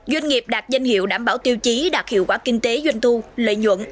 doanh nghiệp đạt danh hiệu đảm bảo tiêu chí đạt hiệu quả kinh tế doanh thu lợi nhuận